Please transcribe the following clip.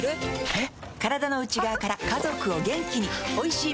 えっ？